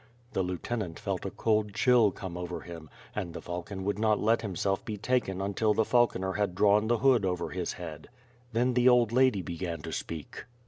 The lieutenant felt a cold chill come over him and the falcon would not let himself be taken until the falconer had drawn the hood over his head. Then the old lady began to speak.